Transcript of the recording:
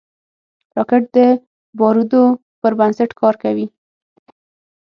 راکټ د بارودو پر بنسټ کار کوي